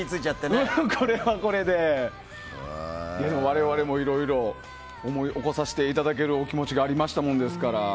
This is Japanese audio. でも我々もいろいろ思い起こさせてくれるお気持ちがありましたものですから。